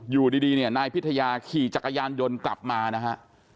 อยู่ดีเนี่ยนายพิทยาขี่จักรยานยนต์กลับมานะฮะ